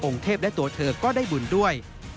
เทพและตัวเธอก็ได้บุญด้วย